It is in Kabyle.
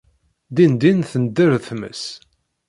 Din din, tender tmes.